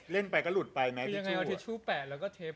แล้วก็เทป๙ลอยให้แปด